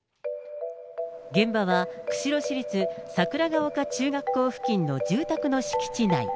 現場は、釧路市立桜が丘中学校付近の住宅の敷地内。